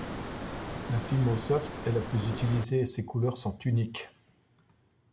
La Fimo Soft est la plus utilisée et ses couleurs sont uniques.